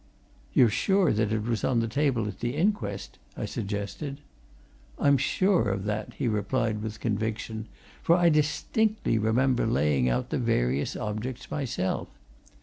"You're sure that it was on the table at the inquest?" I suggested. "I'm sure of that," he replied with conviction, "for I distinctly remember laying out the various objects myself.